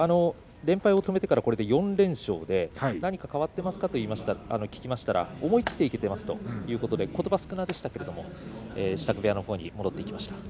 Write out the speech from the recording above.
連敗を止めてからこれで４連勝何か変わってますかと聞きましたら思い切っていけてますということでことばは少なかったですが支度部屋のほうに戻ってきました。